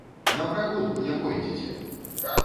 На прагулку не пойдзеце!